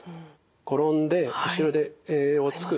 転んで後ろで手をつく。